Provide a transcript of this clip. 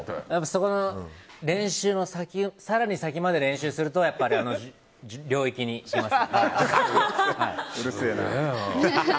そこの練習の更に先まで練習するとやっぱり、あの領域に行けます。